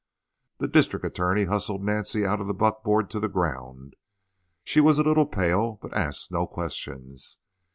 The district attorney hustled Nancy out of the buck board to the ground. She was a little pale, but asked no questions.